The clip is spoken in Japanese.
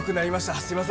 すいません。